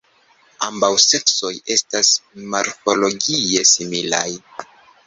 Ambaŭ seksoj estas morfologie similaj.